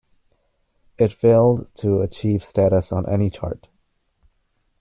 It failed to achieve status on any chart.